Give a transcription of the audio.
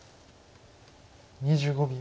２５秒。